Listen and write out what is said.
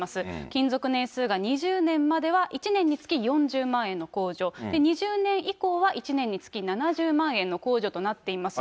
勤続年数が２０年までは１年につき４０万円の控除、２０年以降は１年につき７０万円の控除となっています。